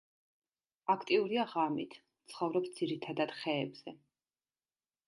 აქტიურია ღამით, ცხოვრობს ძირითადად ხეებზე.